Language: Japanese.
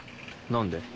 何で？